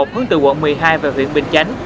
hướng từ quận một mươi hai về huyện bình chánh